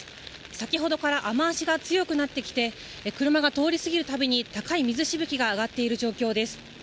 先ほどから雨足が強くなってきて車が通り過ぎるたびに高い水しぶきが上がっている状況です。